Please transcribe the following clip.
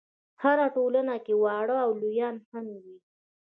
هره ټولنه کې واړه او لویان هم وي.